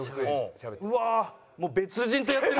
うわもう別人とやってる。